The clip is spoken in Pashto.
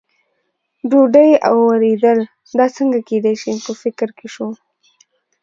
ډوډۍ او ورېدل، دا څنګه کېدای شي، په فکر کې شو.